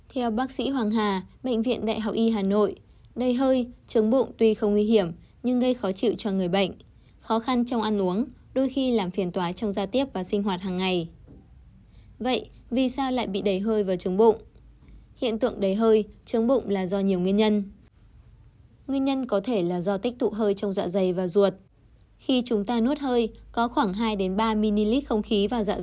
hãy đăng ký kênh để ủng hộ kênh của chúng mình nhé